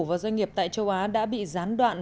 và doanh nghiệp tại châu á đã bị gián đoạn